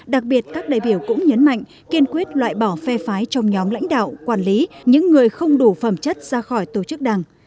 đặc biệt các đại biểu cũng nhấn mạnh kiên quyết loại bỏ phe phái trong nhóm lãnh đạo quản lý những người không đủ phẩm chất ra khỏi tổ chức đảng